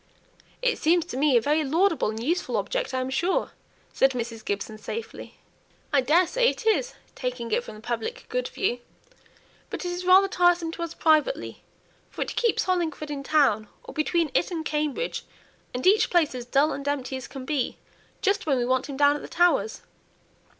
"It seems to me a very laudable and useful object, I am sure," said Mrs. Gibson, safely. "I daresay it is, taking it from the public good view. But it's rather tiresome to us privately, for it keeps Hollingford in town or between it and Cambridge and each place as dull and empty as can be, just when we want him down at the Towers.